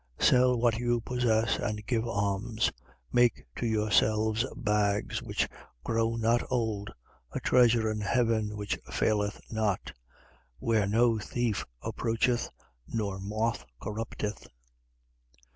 12:33. Sell what you possess and give alms. Make to yourselves bags which grow not old, a treasure in heaven which faileth not: where no thief approacheth, nor moth corrupteth.